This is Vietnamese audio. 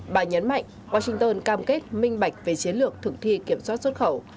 bà nhấn mạnh washington cam kết minh bạch về chiến lược thực thi kiểm soát xuất khẩu